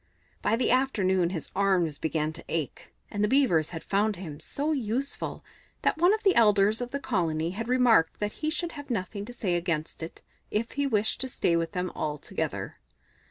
By the afternoon his arms began to ache, and the Beavers had found him so useful that one of the elders of the colony had remarked that he should have nothing to say against it if he wished to stay with them altogether.